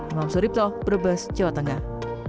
imam suripto brebes jawa tengah